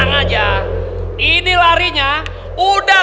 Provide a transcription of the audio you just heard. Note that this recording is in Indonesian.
ngerti jin pakdeh